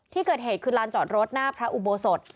ที่เกิดเหตุคือลานจอดรถหน้าพระอุโบสถ